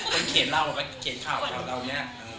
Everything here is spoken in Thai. คนเขียนเราคนเขียนข่าวเราเนี่ย